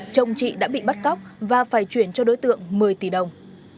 chồng chị đã bị bắt cóc và phải chuyển cho đối tượng một mươi tỷ đồng